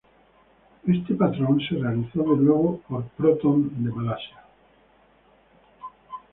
Este patrón se realizó de nuevo por Proton de Malasia.